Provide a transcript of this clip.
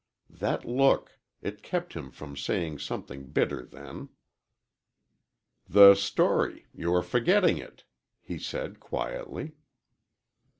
That look it kept him from saying something bitter then. "The story you are forgetting it," he said, quietly.